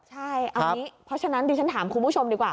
ใช่เอางี้เพราะฉะนั้นดิฉันถามคุณผู้ชมดีกว่า